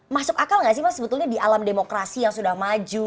masuk akal gak sih mas sebetulnya di alam demokrasi yang sudah maju